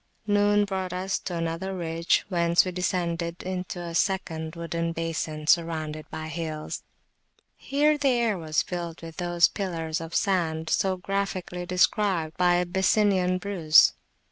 Noon brought us to another ridge, whence we descended into a second wooded basin surrounded by hills. Here the air was filled with those pillars of sand so graphically described by Abyssinian Bruce.